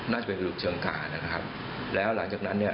น่าจะเป็นจุดเชิงการนะครับแล้วหลังจากนั้นเนี่ย